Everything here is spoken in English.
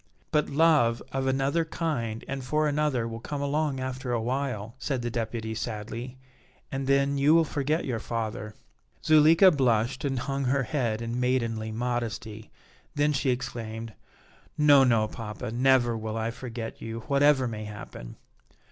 "But love of another kind and for another will come along after awhile," said the Deputy sadly, "and then you will forget your father." Zuleika blushed and hung her head in maidenly modesty; then she exclaimed: "No, no, papa; never will I forget you whatever may happen!"